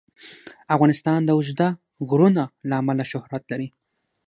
افغانستان د اوږده غرونه له امله شهرت لري.